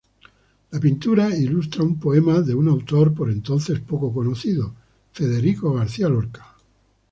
La pintura ilustraba un poema de un autor por entonces poco conocido, John Keats.